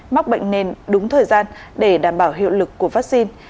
móc bệnh nên đúng thời gian để đảm bảo hiệu lực của vắc xin